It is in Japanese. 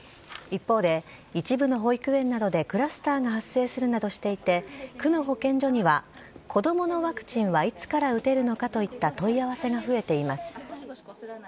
一方で、一部の保育園などでクラスターが発生するなどしていて、区の保健所には、子どものワクチンはいつから打てるのかといった問い合わせが増えています。